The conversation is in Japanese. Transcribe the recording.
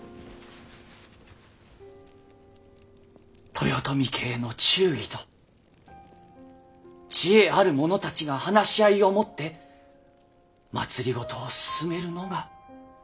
豊臣家への忠義と知恵ある者たちが話し合いをもって政を進めるのが最もよきことかと。